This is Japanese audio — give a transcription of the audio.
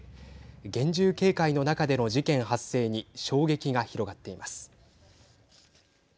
厳重警戒の中での事件発生に衝撃が広がっています。